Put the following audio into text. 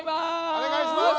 おねがいします！